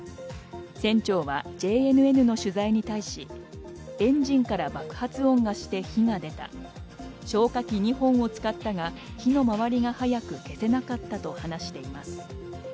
船長はＪＮＮの取材に対し、エンジンが爆発音がして火が出た、消火器２本を使ったが火の回りが早く消せなかったと話しています。